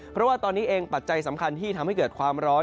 เพราะว่าตอนนี้เองปัจจัยสำคัญที่ทำให้เกิดความร้อน